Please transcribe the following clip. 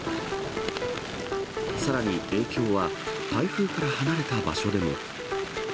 さらに影響は、台風から離れた場所でも。